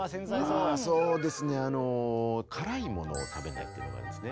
あそうですねあの辛いものを食べないっていうのがあるんですね。